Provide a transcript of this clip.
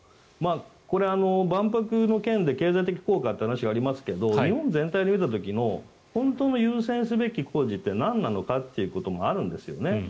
これ、万博の件で経済的効果という話がありますが日本全体で見た時の本当に優先すべき工事ってなんなのかということもあるんですよね。